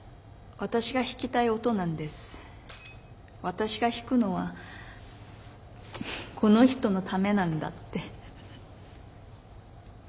私が弾くのはこの人のためなんだって。